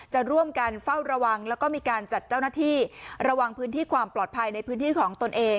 จะร่วมกันเฝ้าระวังแล้วก็มีการจัดเจ้าหน้าที่ระวังพื้นที่ความปลอดภัยในพื้นที่ของตนเอง